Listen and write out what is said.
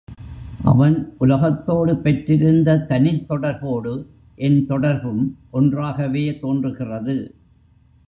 அவன் உலகத்தோடு பெற்றிருந்த தனித் தொடர்போடு என் தொடர்பும் ஒன்றாகவே தோன்றுகிறது.